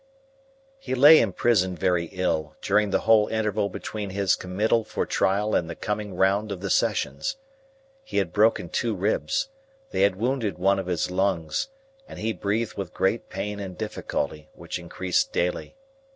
He lay in prison very ill, during the whole interval between his committal for trial and the coming round of the Sessions. He had broken two ribs, they had wounded one of his lungs, and he breathed with great pain and difficulty, which increased daily.